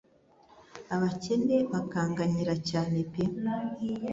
abakene bakanganyira cyane pe